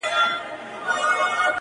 راپاته میراث یې وپالو